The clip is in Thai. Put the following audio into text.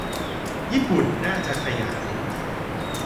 ญี่ปุ่น น่าจะขยาย